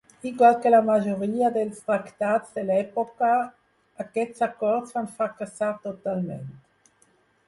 Igual que la majoria dels tractats de l'època, aquests acords van fracassar totalment.